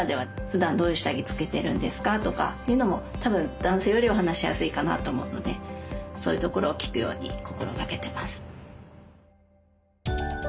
ふだんどういう下着つけてるんですかとかいうのも多分男性よりは話しやすいかなと思うのでそういうところを聞くように心掛けてます。